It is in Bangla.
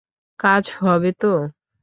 কাজ হবে তো?